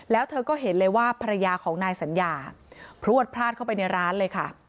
แล้วเธอก็เห็นเลยว่าภรรยาของนายสัญญาพลวดพลาดเข้าไปในร้านเลยค่ะ